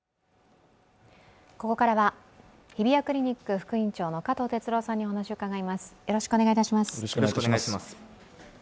ここからは日比谷クリニック副院長の加藤哲朗さんにお話を伺います。